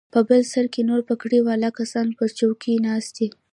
په بل سر کښې نور پګړۍ والا کسان پر چوکيو ناست وو.